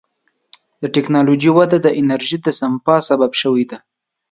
د ټکنالوجۍ وده د انرژۍ د سپما سبب شوې ده.